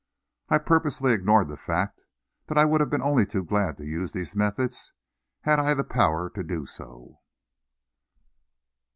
I purposely ignored the fact that I would have been only too glad to use these methods had I the power to do so!